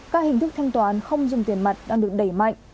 các hình thức thanh toán không dùng tiền mặt đang được đẩy mạnh